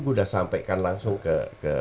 gue udah sampaikan langsung ke